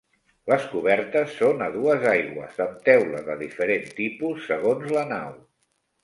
Les cobertes són a dues aigües amb teula de diferent tipus, segons la nau.